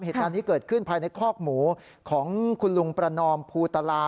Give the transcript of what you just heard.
เหตุการณ์นี้เกิดขึ้นภายในคอกหมูของคุณลุงประนอมภูตลา